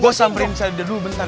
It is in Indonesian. gue samperin saya udah dulu bentar